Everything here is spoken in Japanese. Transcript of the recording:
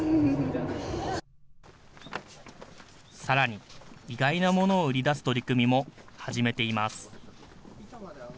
さらに、意外なものを売り出す取り組みも始めています。